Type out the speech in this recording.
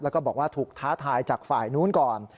แล้วก็บอกว่าถูกท้าทายจากฝ่ายนู้นก่อน